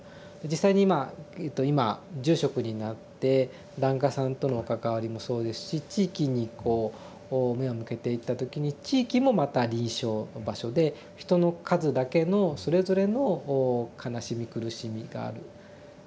実際に今今住職になって檀家さんとの関わりもそうですし地域にこう目を向けていった時に地域もまた臨床場所で人の数だけのそれぞれの悲しみ苦しみがある。